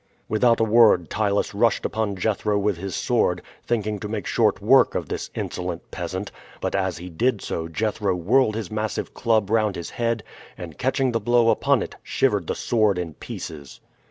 Without a word Ptylus rushed upon Jethro with his sword, thinking to make short work of this insolent peasant; but as he did so, Jethro whirled his massive club round his head, and catching the blow upon it, shivered the sword in pieces.